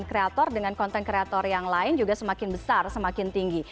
kreator dengan konten kreator yang lain juga semakin besar semakin tinggi